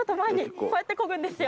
こうやってこぐんですよ。